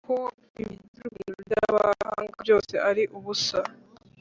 Kuko ibigirwamana by amahanga byose ari ubusa